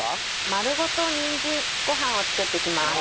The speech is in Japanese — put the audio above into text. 丸ごとにんじんご飯を作っていきます。